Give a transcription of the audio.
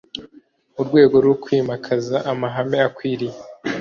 mu rwego rwo kwimakaza amahame akwiriye